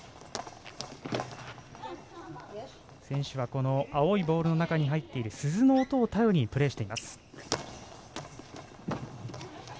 選手は青いボールの中に入っている鈴の音を頼りにプレーしています。